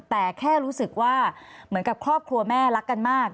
แต่แค่รู้สึกว่าเหมือนกับครอบครัวแม่รักกันมาก